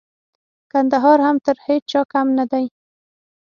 کندهار هم تر هيچا کم نه دئ.